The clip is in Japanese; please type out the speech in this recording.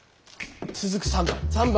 続く３番。